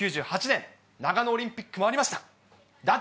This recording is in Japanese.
１９９８年、長野オリンピックもありました。